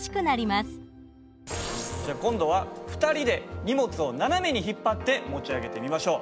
じゃあ今度は２人で荷物を斜めに引っ張って持ち上げてみましょう。